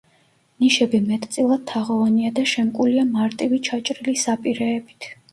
ნიშები მეტწილად თაღოვანია და შემკულია მარტივი ჩაჭრილი საპირეებით.